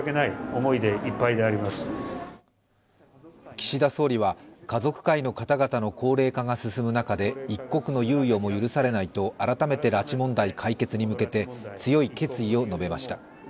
岸田総理は家族会の方々の高齢化が進む中で一刻の猶予も許されないと改めて拉致問題解決に向けて強い決意を述べました。